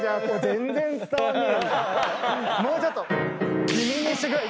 もうちょっと。